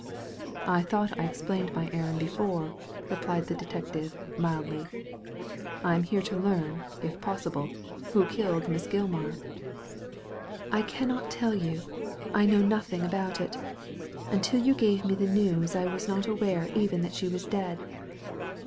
" I thought I explained my errand before," replied the detective, mildly. * I am here to learn — ^if possible — ^who killed Miss Gilmar." " I cannot tell you : I know nothing about it Until you gave me the news I ^as not aware even that she was dead."